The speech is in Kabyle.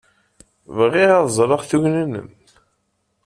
Bɣiɣ ad ẓreɣ tugna-nnem.